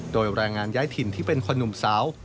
โดยแรงงานย้ายถิ่นที่เป็นคนหนุ่มสาว